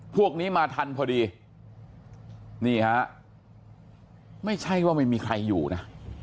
พวกนี้มาทันพอดีนี่ฮะไม่ใช่ว่าไม่มีใครอยู่นะ